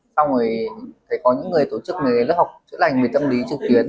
xong rồi thầy có những người tổ chức lớp học chữa lành về tâm lý trực tuyến